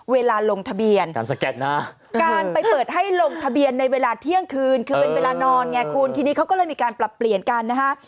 ลงทะเบียนการสแกนนะการไปเปิดให้ลงทะเบียนในเวลาเที่ยงคืนคือเป็นเวลานอนไงคุณทีนี้เขาก็เลยมีการปรับเปลี่ยนกันนะฮะ